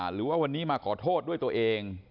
หรือว่าวันนี้มาขอโทษด้วยตัวเอง